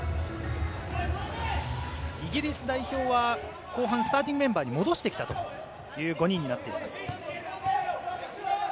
イギリス代表は後半スターティングメンバー、戻してきたという５人になっています。